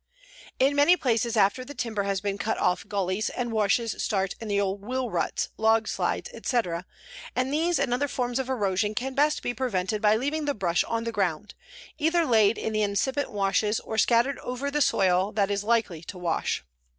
"In many places after the timber has been cut off gullies and washes start in the old wheel ruts, log slides, etc., and these and other forms of erosion can best be prevented by leaving the brush on the ground, either laid in the incipient washes or scattered over the soil that is likely to wash.